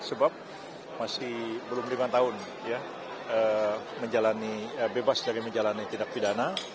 sebab masih belum lima tahun bebas dari menjalani tindak pidana